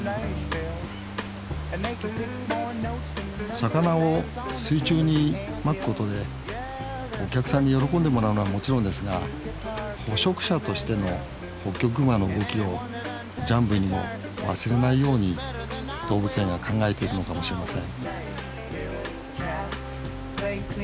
魚を水中にまくことでお客さんに喜んでもらうのはもちろんですが捕食者としてのホッキョクグマの動きをジャンブイにも忘れないように動物園が考えているのかもしれません